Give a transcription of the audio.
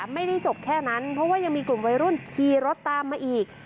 ไม่ได้จบแค่นั้นเพราะว่ายังมีกลุ่มวัยรุ่นขี่รถตามมาอีก